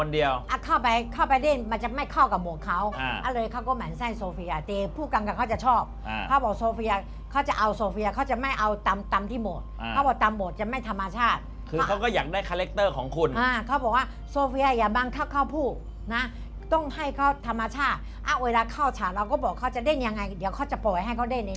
เดี๋ยวเขาจะโปรให้เขาเด้นเองจะสนุกกว่า